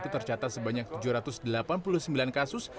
tercatat sebanyak tujuh ratus delapan puluh sembilan kasus